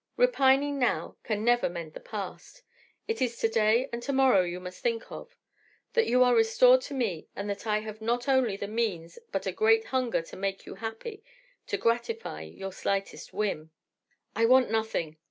Repining can never mend the past. It is to day and to morrow you must think of: that you are restored to me, and that I have not only the means but a great hunger to make you happy, to gratify your slightest whim." "I want nothing!"